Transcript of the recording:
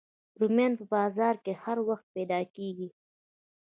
رومیان په بازار کې هر وخت پیدا کېږي